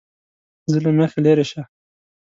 زه له مخې لېرې شه!